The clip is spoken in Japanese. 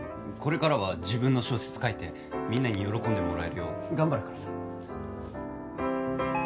これからは自分の小説書いてみんなに喜んでもらえるよう頑張るからさ。